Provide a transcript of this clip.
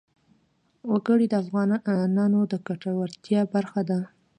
وګړي د افغانانو د ګټورتیا برخه ده.